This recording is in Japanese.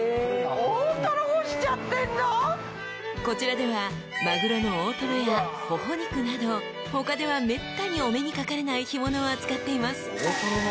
［こちらではマグロの大トロやほほ肉など他ではめったにお目に掛かれない干物を扱っています］